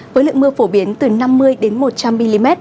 với lượng mưa phổ biến từ năm mươi đến một trăm linh mm